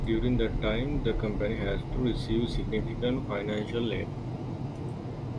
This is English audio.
During that time the company had to receive significant financial aid.